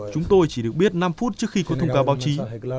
chúng tôi chỉ được biết năm phút trước khi có thông cáo báo chí